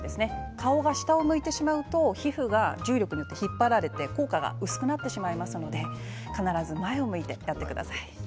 顔が下を向いてしまうと皮膚が重力によって引っ張られて薄くなってしまいますので必ず前を向いてやってください。